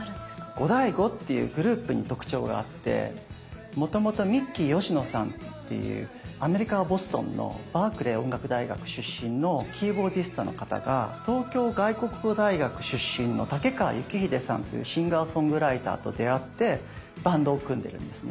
ゴダイゴっていうグループに特徴があってもともとミッキー吉野さんっていうアメリカのボストンのバークリー音楽大学出身のキーボーディストの方が東京外国語大学出身のタケカワユキヒデさんというシンガーソングライターと出会ってバンドを組んでるんですね。